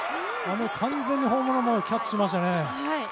完全にホームラン前にキャッチしましたよね。